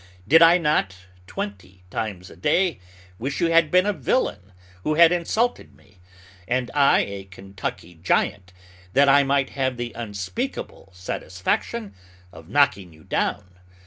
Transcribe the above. Did I not, twenty times a day, wish you had been a villain, who had insulted me, and I a Kentucky giant, that I might have the unspeakable satisfaction of knocking you down?